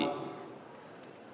penuh dengan kemampuan